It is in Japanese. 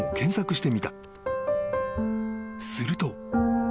すると］